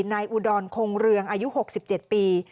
อุดรคงเรืองอายุ๖๗ปี